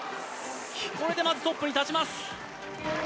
これでまずトップに立ちます。